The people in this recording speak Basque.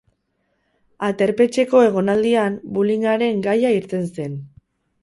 Aterpetxeko egonaldian bullying-aren gaia irten zen.